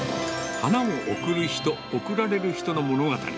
花を贈る人、贈られる人の物語。